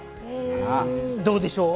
どうでしょう？